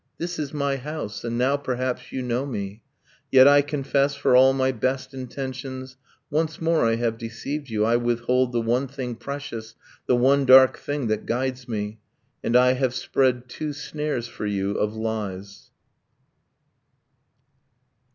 This is my house, and now, perhaps, you know me. .. Yet I confess, for all my best intentions, Once more I have deceived you. ... I withhold The one thing precious, the one dark thing that guides me; And I have spread two snares for you, of lies.